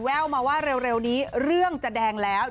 แววมาว่าเร็วนี้เรื่องจะแดงแล้ว